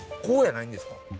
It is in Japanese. こうやないんですか？